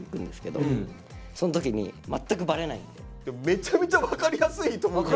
めちゃめちゃ分かりやすいと思うけど。